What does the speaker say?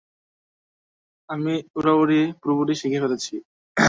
আমি উড়াউড়ি পুরোপুরি শিখে ফেলেছি!